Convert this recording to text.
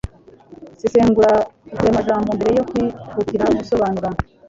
sesengura uturemajambo mbere yo kwihutira gusobanura